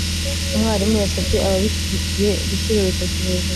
umwarimu yasabye ababishyigikiye gushyira urutoki hejuru